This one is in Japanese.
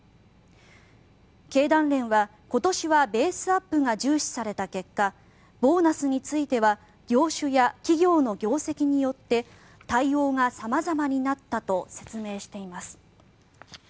経団連は、今年はベースアップが重視された結果ボーナスについては業種や企業の業績によって対応が様々になったと説明しています。